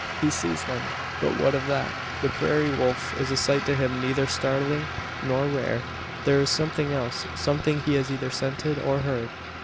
He sees them; but what of that? The prairie wolf is a sight to him neither startling, nor rare. There is something else something he has either scented, or heard.